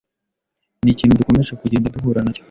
ni ikintu dukomeje kugenda duhura nacyo